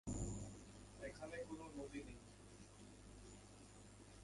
এখানে কোনো নদী নেই।